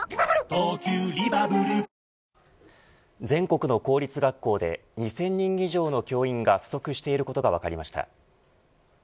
全国の公立学校で２０００人以上の教員が不足していることが分かりました。